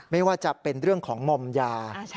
ไม่ว่าจะเป็นเรื่องของมอมยา